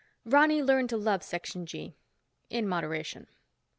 Ronny learned to love Section G—in moderation.